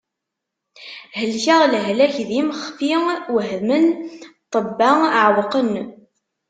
Helkeɣ lehlak d imexfi, wehmen ṭṭebba, ɛewqen.